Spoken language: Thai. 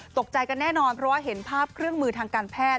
ตกใจกันแน่นอนเพราะว่าเห็นภาพเครื่องมือทางการแพทย์